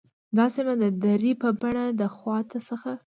دا سیمه د درې په بڼه د خوات څخه